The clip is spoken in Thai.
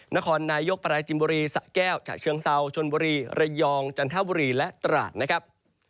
นครนายกปราจินบุรีสะแก้วฉะเชิงเซาชนบุรีระยองจันทบุรีและตราดนะครับ